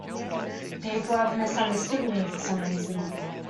People have misunderstood me for some reason.